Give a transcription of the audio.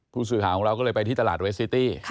ผู้สื่อข่าวของเราก็เลยไปที่ตลาดเวสซิตี้